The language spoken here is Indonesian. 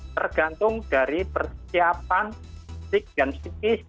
tergantung dari persiapan fisik dan psikis